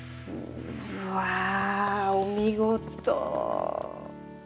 うわお見事。